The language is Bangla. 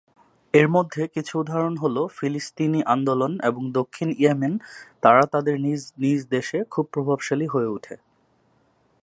এর মধ্যে কিছু উদাহরণ হলো, ফিলিস্তিনি আন্দোলন এবং দক্ষিণ ইয়েমেন, তারা তাদের নিজ নিজ দেশে খুব প্রভাবশালী হয়ে উঠে।